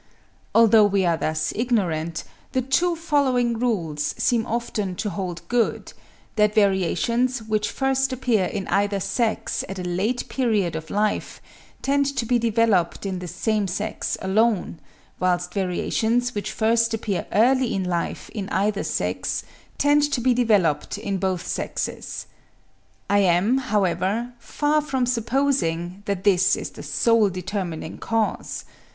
Although we are thus ignorant, the two following rules seem often to hold good—that variations which first appear in either sex at a late period of life, tend to be developed in the same sex alone; whilst variations which first appear early in life in either sex tend to be developed in both sexes. I am, however, far from supposing that this is the sole determining cause.